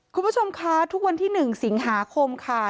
คุณผู้ชมคะทุกวันที่๑สิงหาคมค่ะ